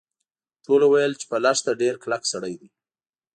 ټولو ویل چې په لښته ډیر کلک سړی دی.